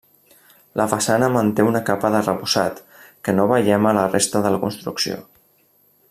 La façana manté una capa d'arrebossat que no veiem a la resta de la construcció.